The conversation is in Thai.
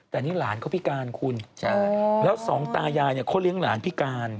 แต่นี่หลานเขาพิการคุณแล้วสองตายายเนี่ยเขาเลี้ยงหลานพิการ